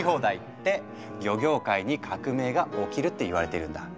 って漁業界に革命が起きるって言われているんだ。